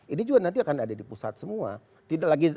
ini juga nanti akan ada di pusat semua